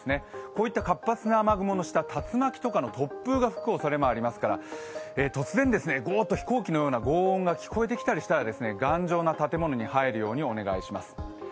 こういった活発な雨雲の下、竜巻などの突風が吹くおそれがありますから、突然、ゴーッと飛行機のようなごう音が聞こえてきたら頑丈な建物に入るようにお願いします。